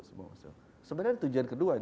sebenarnya itu tujuan kedua